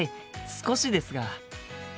少しですが。